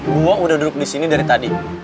gua udah duduk di sini dari tadi